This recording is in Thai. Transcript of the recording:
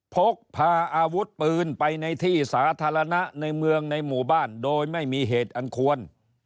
พกพาอาวุธปืนไปในที่สาธารณะในเมืองในหมู่บ้านโดยไม่มีเหตุอันควร